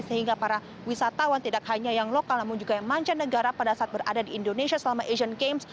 sehingga para wisatawan tidak hanya yang lokal namun juga yang mancanegara pada saat berada di indonesia selama asian games